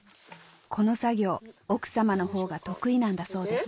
この作業奥様のほうが得意なんだそうです